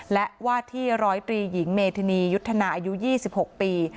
และว่าที่ร้อยตรีหญิงเมธินียุทธนาอายุ๒๖ปี